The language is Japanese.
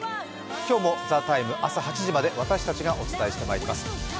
今日も「ＴＨＥＴＩＭＥ，」朝８時まで私たちがお伝えしていきます。